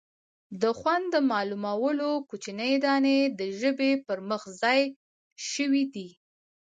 د خوند د معلومولو کوچنۍ دانې د ژبې پر مخ ځای شوي دي.